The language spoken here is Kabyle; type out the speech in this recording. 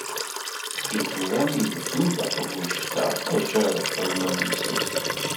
I tura mi d-tiwim taqbuct-a acu ara txedmem yis-s?